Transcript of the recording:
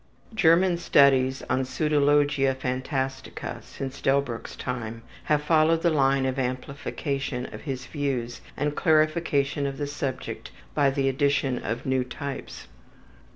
German studies on pseudologia phantastica since Delbruck's time have followed the line of amplification of his views and clarification of the subject by the addition of new types.